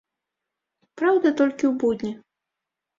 Праўда, толькі ў будні.